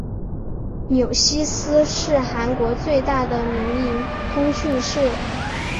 纽西斯是韩国最大的民营通讯社。